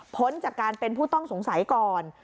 พ้นจากการเป็นผู้ต้องสงสัยก่อน